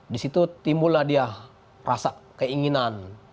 disitu timbul lah dia rasa keinginan